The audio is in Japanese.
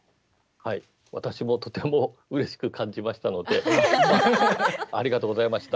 私もとてもうれしく感じましたのでありがとうございました。